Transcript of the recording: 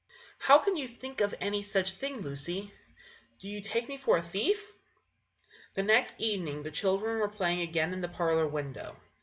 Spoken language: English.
Henry. "How can you think of any such thing, Lucy? Do you take me for a thief?" The next evening the children were playing again in the parlour window.